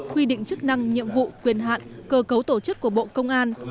quy định chức năng nhiệm vụ quyền hạn cơ cấu tổ chức của bộ công an